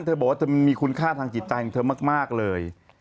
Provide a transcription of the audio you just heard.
เธอบอกว่าเธอมีคุณค่าทางจิตใจของเธอมากเลย